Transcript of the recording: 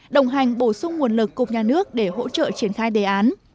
đồng hành bổ sung nguồn lực cục nhà nước để hỗ trợ triển khai đề án